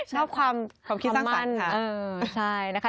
นอกความคิดสร้างฝันค่ะ